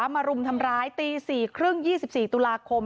มารุมทำร้ายตีสี่ครึ่ง๒๔ตุลาคม